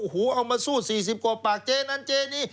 อู๋ฮูเอามาสู้สี่สิบกว่าปากเจ๊นั้นเจ๊นี้